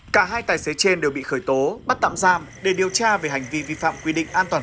cả hai tài xế trên đều bị khởi tố bắt tạm giam để điều tra về hành vi vi phạm quy định an toàn